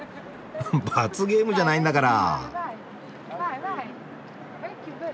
罰ゲームじゃないんだから。